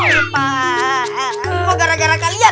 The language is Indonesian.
gak mau gara gara kalian